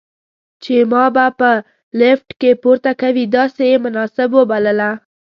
چې ما به په لفټ کې پورته کوي، داسې یې مناسب وبلله.